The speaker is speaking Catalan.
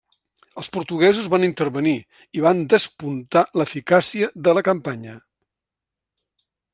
Els portuguesos van intervenir, i van despuntar l'eficàcia de la campanya.